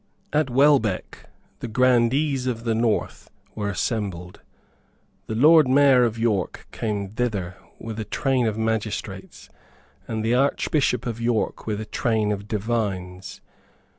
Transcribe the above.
At Welbeck the grandees of the north were assembled. The Lord Mayor of York came thither with a train of magistrates, and the Archbishop of York with a train of divines.